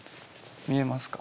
見えますか？